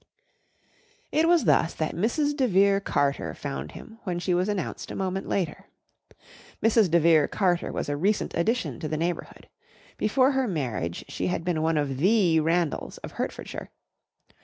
It was thus that Mrs. de Vere Carter found him when she was announced a moment later. Mrs. de Vere Carter was a recent addition to the neighbourhood. Before her marriage she had been one of the Randalls of Hertfordshire.